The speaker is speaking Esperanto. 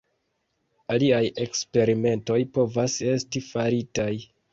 Aliaj eksperimentoj povas esti faritaj.